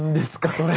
それ。